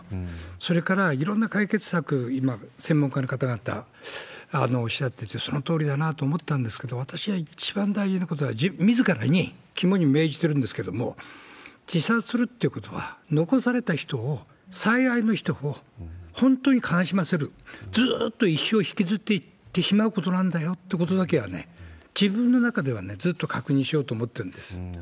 それから、いろんな解決策、今、専門家の方々おっしゃってて、そのとおりだなと思ったんですけど、私は、一番大事なことは、みずからね、肝に銘じてるんですけれども、自殺するっていうことは、残された人を、最愛の人を本当に悲しませる、ずーっと一生引きずっていってしまうことなんだよってことだけは、自分の中ではずっと確認しようと思ってるんです。